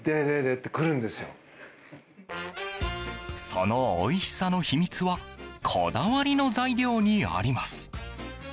そのおいしさの秘密はこだわりの材料にあります。